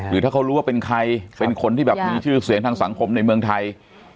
หรือถ้าเขารู้ว่าเป็นใครเป็นคนที่แบบมีชื่อเสียงทางสังคมในเมืองไทย